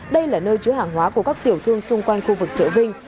đây là nơi chứa hàng hóa của các tiểu thương xung quanh khu vực chợ vinh